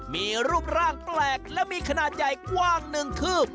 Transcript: มีรูปร่างแปลกและมีขนาดใหญ่กว้างหนึ่งคืบ